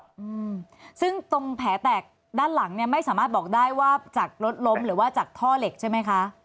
อืมซึ่งตรงแผลแตกด้านหลังเนี้ยไม่สามารถบอกได้ว่าจากรถล้มหรือว่าจากท่อเหล็กใช่ไหมคะ